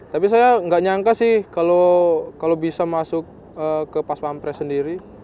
tapi saya nggak nyangka sih kalau bisa masuk ke pas pampres sendiri